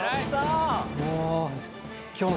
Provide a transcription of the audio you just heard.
もう。